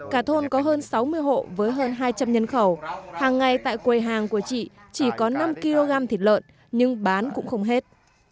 cả thôn có hơn sáu mươi hộ với hơn hai trăm linh nhân khẩu hàng ngày tại quầy hàng của chị chỉ có năm kg thịt lợn nhưng bán cũng không hết